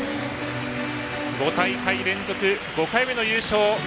５大会連続５回目の優勝。